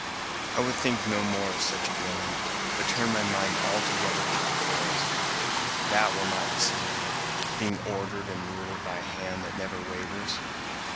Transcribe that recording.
"I would think no more of such a woman, but turn my mind altogether to the forest; that will not deceive you, being ordered and ruled by a hand that never wavers."